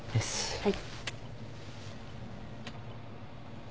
はい。